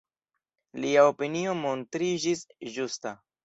Lia opinio montriĝis ĝusta.